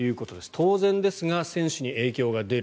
当然ですが、選手に影響が出る。